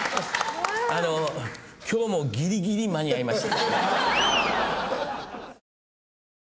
あの今日もギリギリ間に合いました。